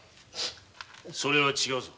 それは違うぞ。